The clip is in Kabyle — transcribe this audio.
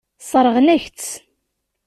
Sseṛɣen-ak-tt.